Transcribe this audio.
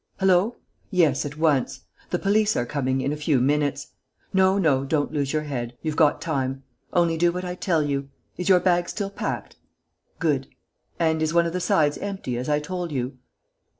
Hullo!... Yes, at once. The police are coming in a few minutes. No, no, don't lose your head.... You've got time. Only, do what I tell you. Is your bag still packed?... Good. And is one of the sides empty, as I told you?...